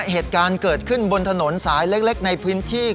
เหตุการณ์เกิดขึ้นบนถนนสายเล็กในพื้นที่